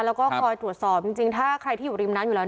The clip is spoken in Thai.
แล้วก็คอยตรวจสอบจริงถ้าใครที่อยู่ริมน้ำอยู่แล้ว